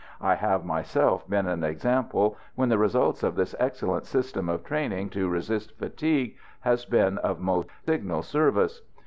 I have myself seen an example when the results of this excellent system of training to resist fatigue has been of most signal service.